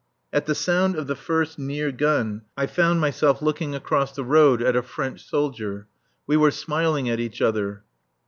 At the sound of the first near gun I found myself looking across the road at a French soldier. We were smiling at each other.